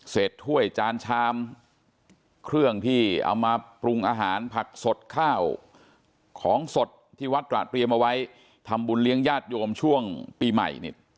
ถ้วยจานชามเครื่องที่เอามาปรุงอาหารผักสดข้าวของสดที่วัดตราดเรียมเอาไว้ทำบุญเลี้ยงญาติโยมช่วงปีใหม่